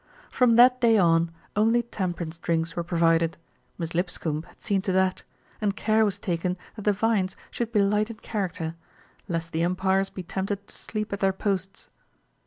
From that day on, only temperance drinks were pro vided, Miss Lipscombe had seen to that, and care was taken that the viands should be light in character, lest the umpires be tempted to sleep at their posts.